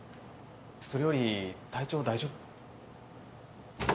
それより体調は大丈夫？